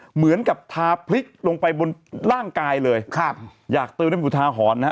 เหมือนกับทาพลิกลงไปบนร่างกายเลยครับอยากเติมได้ผิวทาหอนนะฮะ